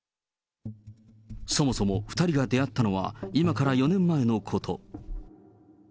そもそも２人が出会ったのは、今から４年前のこと。